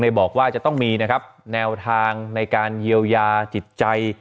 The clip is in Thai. เขาบอกว่าจะต้องมีแนวทางในการเยียวยาจิตใจ